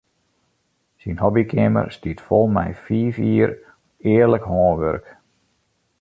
Syn hobbykeamer stiet fol mei fiif jier earlik hânwurk.